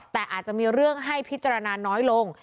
แต่อาจจะมีเรื่องให้พิจารณาน้อยลง